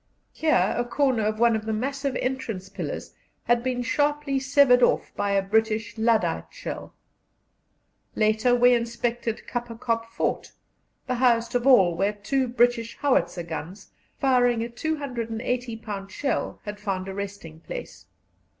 Here a corner of one of the massive entrance pillars had been sharply severed off by a British lyddite shell. Later we inspected Kapper Kop Fort, the highest of all, where two British howitzer guns, firing a 280 pound shell, had found a resting place.